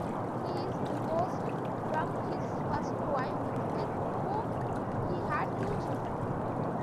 He is divorced from his first wife, with whom he had two children.